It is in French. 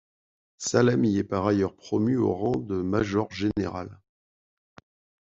Salami est par ailleurs promu au rang de major général.